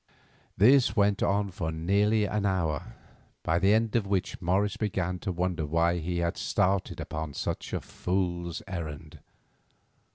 This went on for nearly an hour, by the end of which Morris began to wonder why he had started upon such a fool's errand.